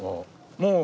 もう。